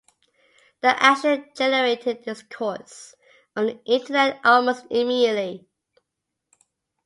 The action generated discourse on the Internet almost immediately.